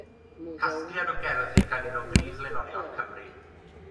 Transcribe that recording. Casgliad o gerddi gan un o brif lenorion Cymru.